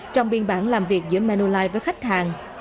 trong biên bản làm việc giữa manulife với khách hàng